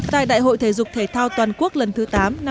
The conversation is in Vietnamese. tại đại hội thể dục thể thao toàn quốc lần thứ tám